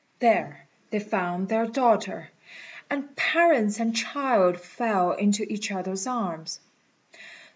There they found their daughter, and parents and child fell into each other's arms.